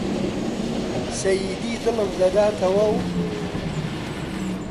سەیدی دڵم دەداتەوە و